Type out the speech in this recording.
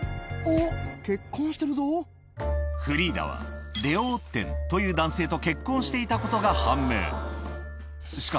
フリーダはレオ・オッテンという男性と結婚していたことが判明